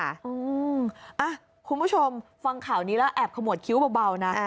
คุณผู้ชมฟังข่าวนี้แล้วแอบขมวดคิ้วเบานะ